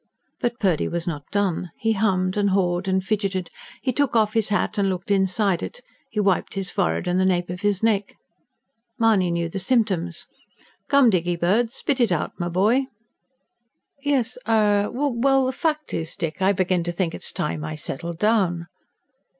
But Purdy was not done; he hummed and hawed and fidgeted; he took off his hat and looked inside it; he wiped his forehead and the nape of his neck. Mahony knew the symptoms. "Come, Dickybird. Spit it out, my boy!" "Yes ... er.... Well, the fact is, Dick, I begin to think it's time I settled down."